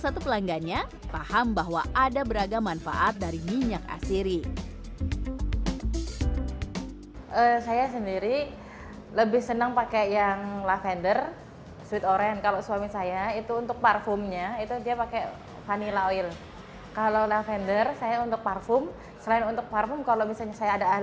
itu cepet banget sembuhnya